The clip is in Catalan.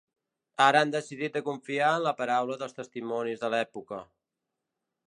Ara han decidit de confiar en la paraula dels testimonis de l’època.